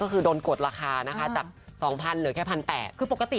ก็คือโดนกดราคานะคะจากสองพันหรือแค่พันแปบ